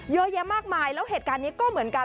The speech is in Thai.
เยอะแยะมากมายแล้วเหตุการณ์นี้ก็เหมือนกัน